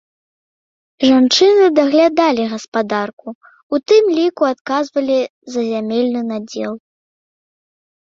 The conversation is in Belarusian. Жанчыны даглядалі гаспадарку, у тым ліку адказвалі за зямельны надзел.